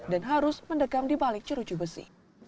dan harus mendegam dibalik cerucu besi